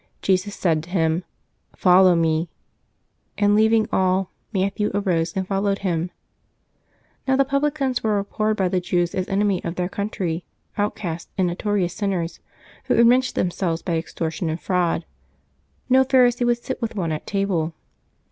Jesus said to him, "Follow Me;'' and leaving all, Matthew arose and followed Him. Now the publicans were abhorred by the Jews as enemies of their country, outcasts, and notorious sinners, who enriched themselves by extortion and fraud. No Pharisee would sit with one at table.